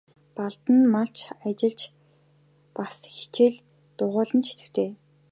Балдан нь малч, ажилч, бас хичээл дугуйланд идэвхтэй.